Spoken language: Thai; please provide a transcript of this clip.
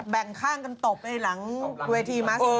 แบ่งข้างกันตบหลังเวทีมัส